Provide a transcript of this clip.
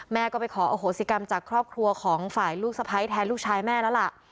แม่ก็ไปขออโหสิกรรมจากครอบครัวของฝ่ายลูกสะพ้ายแทนลูกชายแม่แล้วล่ะ